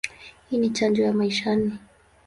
Hii ni chanjo ya maishani.